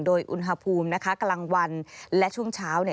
โดยอุณหภูมิกลางวันและช่วงเช้า